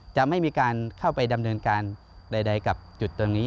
จะไม่มีการเข้าไปดำเนินการใดกับจุดตรงนี้